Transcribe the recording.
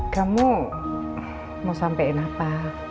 kamu mau sampein apa